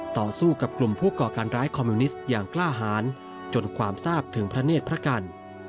ต่อสู้กับกลุ่มผู้ก่อการร้ายคอมมิวนิสต์อย่างกล้าหารจนความทราบถึงพระเนธพระกัน